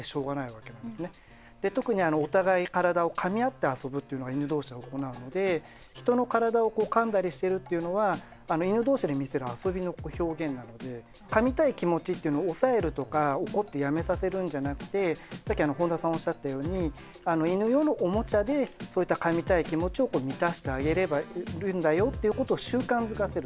特にお互い体をかみ合って遊ぶというのは犬同士で行うので人の体をかんだりしてるっていうのは犬同士で見せる遊びの表現なのでかみたい気持ちってのを抑えるとか怒ってやめさせるんじゃなくてさっき本田さんおっしゃったように犬用のおもちゃでかみたい気持ちを満たしてあげるんだよっていうことを習慣づかせる。